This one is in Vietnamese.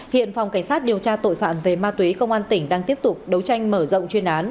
hiện phòng cảnh sát điều tra tội phạm về ma túy công an tỉnh đang tiếp tục đấu tranh mở rộng chuyên án